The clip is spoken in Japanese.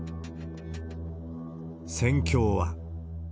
戦況は。